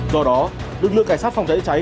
do đó lực lượng cảnh sát phòng cháy cháy